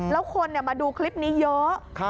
แล้วคนมาดูคลิปนี้เยอะ